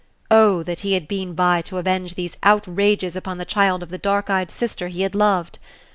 Oh, that he had been by to avenge those outrages upon the child of the dark eyed sister he had loved!